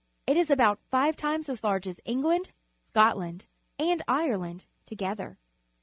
It is about five times as large as England, Scotland, and Ireland together.